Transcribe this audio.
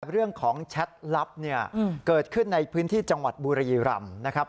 แชทลับเนี่ยเกิดขึ้นในพื้นที่จังหวัดบุรีรำนะครับ